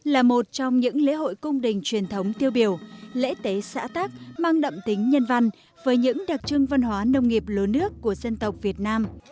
là một trong những lễ hội cung đình truyền thống tiêu biểu lễ tế xã tắc mang đậm tính nhân văn với những đặc trưng văn hóa nông nghiệp lớn nước của dân tộc việt nam